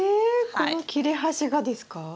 この切れ端がですか？